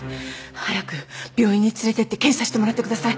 早く病院に連れてって検査してもらってください。